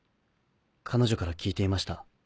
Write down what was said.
彼女から聞いていました。